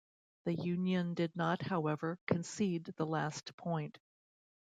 The union did not, however, concede the last point.